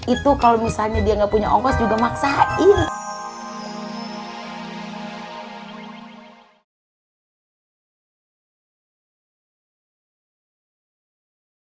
itu kalo misalnya dia gak punya ongkos juga maksain